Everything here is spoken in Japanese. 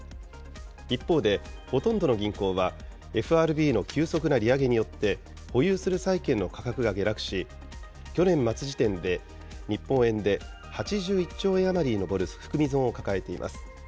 一方で、ほとんどの銀行はＦＲＢの急速な利上げによって保有する債券の価格が下落し、去年末時点で日本円で８１兆円余りに上る含み損を抱えています。